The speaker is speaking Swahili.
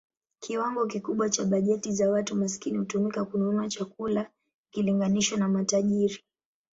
Kiwango kikubwa cha bajeti za watu maskini hutumika kununua chakula ikilinganishwa na matajiri.